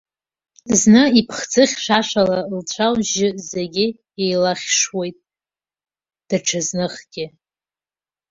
Зны иԥхӡы хьшәашәаны лцәа-лжьы зегьы илахьшуеит, даҽазныхгьы.